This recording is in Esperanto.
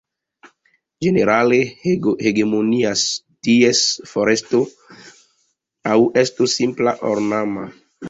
Ĝenerale hegemonias ties foresto aŭ esto simple ornama.